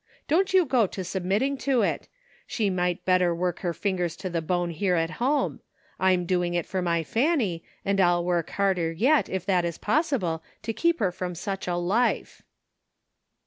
Don't you go to submitting to it; 200 CONFLICTING ADVlCH. she might better work her fingers to the bone here at home ; I'm doing it for my Fanny, and I'll work harder yet, if that is possible, to keep her from such a life."